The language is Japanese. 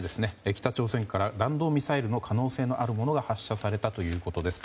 北朝鮮から弾道ミサイルの可能性のあるものが発射されたということです。